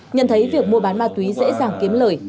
nhận thấy việc mua bán ma túy dễ dàng kiếm lời